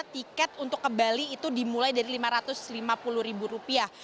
tiket untuk ke bali itu dimulai dari lima ratus lima puluh ribu rupiah